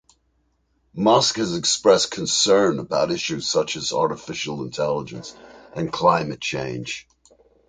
Musk has expressed concern about issues such as artificial intelligence and climate change.